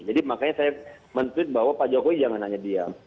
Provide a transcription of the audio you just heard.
jadi makanya saya menurut bahwa pak jokowi jangan hanya diam